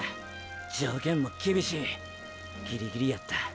条件もきびしいギリギリやった。